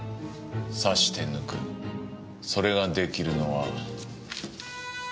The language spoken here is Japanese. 刺して抜くそれが出来るのは。